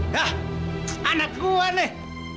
hah anak gua nih